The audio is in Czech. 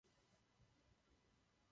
Slunce a Měsíc byly považovány za jeho oči.